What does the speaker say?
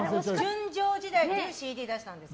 「純情時代」というＣＤ出したんですか？